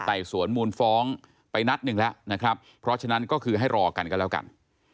สวนมูลฟ้องไปนัดหนึ่งแล้วนะครับเพราะฉะนั้นก็คือให้รอกันก็แล้วกัน